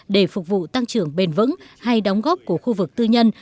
để phục vụ tăng trưởng bền vững hay đóng góp của khu vực tư nhân